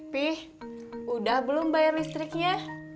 pih udah belum bayar listriknya